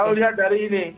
kalau lihat dari ini